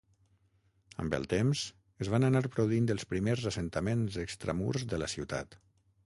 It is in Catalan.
Amb el temps es van anar produint els primers assentaments extramurs de la ciutat.